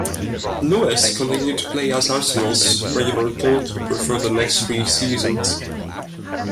Lewis continued to play as Arsenal's regular goalkeeper for the next three seasons.